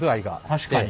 確かに。